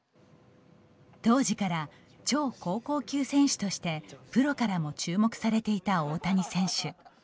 当時から超高校級選手としてプロからも注目されていた大谷選手。